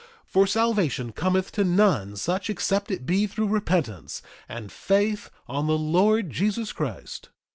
For salvation cometh to none such except it be through repentance and faith on the Lord Jesus Christ.